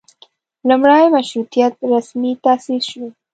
لومړۍ مشروطیت رسمي تاسیس شو.